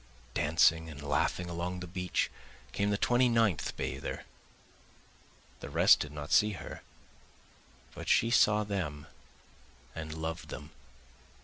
Dancing and laughing along the beach came the twenty ninth bather, The rest did not see her, but she saw them and loved them.